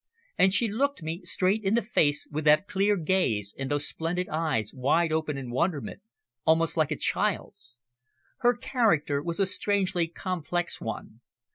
And she looked me straight in the face with that clear gaze and those splendid eyes wide open in wonderment, almost like a child's. Her character was a strangely complex one.